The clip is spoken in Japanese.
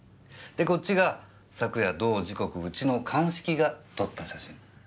でこっちが昨夜同時刻うちの鑑識が撮った写真。